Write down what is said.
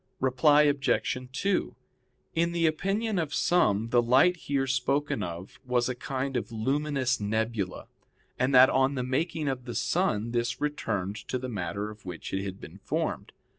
Reply Obj. 2: In the opinion of some the light here spoken of was a kind of luminous nebula, and that on the making of the sun this returned to the matter of which it had been formed.